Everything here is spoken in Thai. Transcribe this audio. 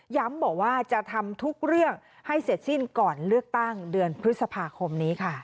บอกว่าจะทำทุกเรื่องให้เสร็จสิ้นก่อนเลือกตั้งเดือนพฤษภาคมนี้ค่ะ